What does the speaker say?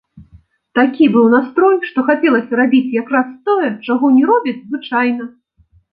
Такі быў настрой, што хацелася рабіць якраз тое, чаго не робяць звычайна.